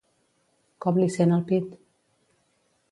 Com li sent el pit?